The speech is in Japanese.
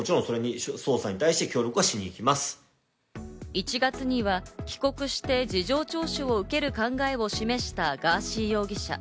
１月には帰国して、事情聴取を受ける考えを示したガーシー容疑者。